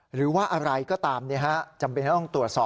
หรือว่าอะไรก็ตามจำเป็นจะต้องตรวจสอบ